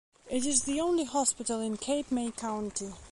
It is the only hospital in Cape May County.